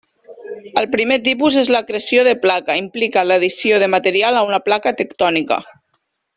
El primer tipus és l'acreció de placa, implica l'addició de material a una placa tectònica.